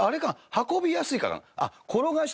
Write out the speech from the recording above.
運びやすいから。